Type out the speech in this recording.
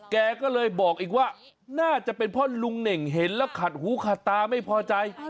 แกก็เลยบอกอีกว่าน่าจะเป็นเพราะลุงเน่งเห็นแล้วขัดหูขัดตาไม่พอใจ